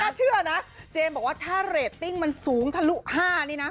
เชื่อนะเจมส์บอกว่าถ้าเรตติ้งมันสูงทะลุ๕นี่นะ